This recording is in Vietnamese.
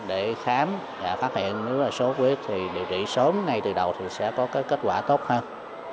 để khám và phát hiện nếu là sốt huyết thì điều trị sớm ngay từ đầu thì sẽ có kết quả tốt hơn